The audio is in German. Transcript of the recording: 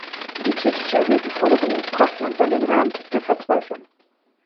Die täglich erhöhten Forderungen brachten uns an den Rand der Verzweiflung.